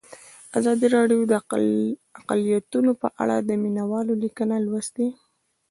ازادي راډیو د اقلیتونه په اړه د مینه والو لیکونه لوستي.